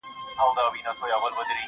زما انارګلي زما ښایستې خورکۍ٫